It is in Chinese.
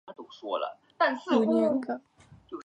北宋大中祥符五年改名确山县。